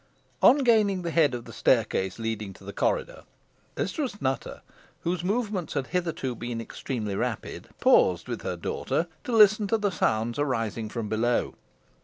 On gaining the head of the staircase leading to the corridor, Mistress Nutter, whose movements had hitherto been extremely rapid, paused with her daughter to listen to the sounds arising from below.